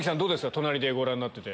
隣でご覧になってて。